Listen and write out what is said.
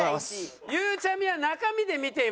ゆうちゃみは中身で見ています。